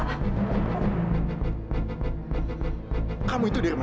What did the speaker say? maksudnya kamu itu dari mana